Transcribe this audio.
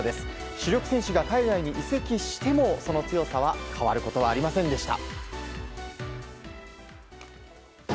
主力選手が海外に移籍しても、その強さは変わることはありませんでした。